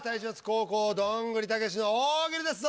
後攻・どんぐりたけしの「大喜利」です。